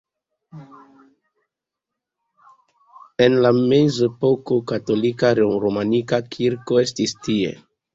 En la mezepoko katolika romanika kirko estis tie.